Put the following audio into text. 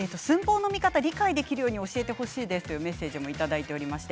理解できるように教えてほしいですというメッセージもいただいています。